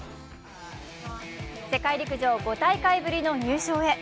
世界陸上５大会ぶりの入賞へ。